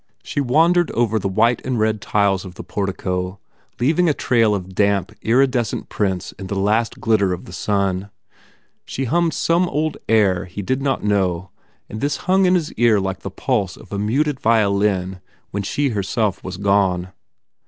She wandered over the white and red tiles of the portico, leaving a trail of damp, iridescent prints in the last glitter of the sun. She hummed 190 TODGERS INTRUDES some air he did not know and this hung in his ear like the pulse of a muted violin when she herself was gone.